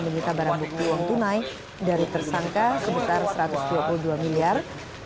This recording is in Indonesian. menyita barang bukti uang tunai dari tersangka sebesar satu ratus dua puluh dua miliar